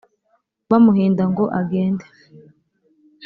bamuhinda ngo agende